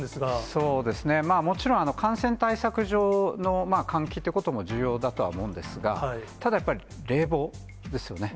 そうですね、もちろん、感染対策上の換気ということも重要だとは思うんですが、ただやっぱり冷房ですよね。